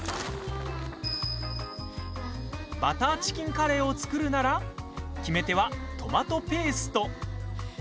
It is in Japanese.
バターチキンカレーを作るなら決め手はトマトペースト。